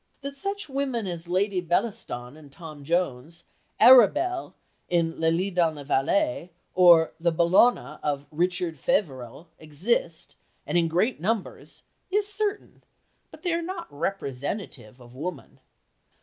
That such women as Lady Bellaston in Tom Jones, Arabelle in Le Lys dans la Vallée, or the Bellona of Richard Feverel exist, and in great numbers, is certain, but they are not representative of woman.